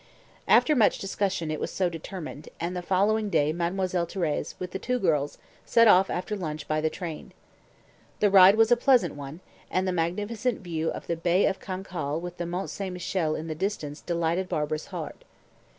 After much discussion it was so determined, and the following day Mademoiselle Thérèse, with the two girls, set off after lunch by the train. The ride was a pleasant one, and the magnificent view of the Bay of Cancale with the Mont St. Michel in the distance delighted Barbara's heart.